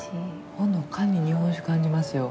ほのかに日本酒を感じますよ。